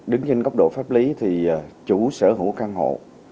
đứng trên góc độ pháp lý thì chủ sở hữu căn hộ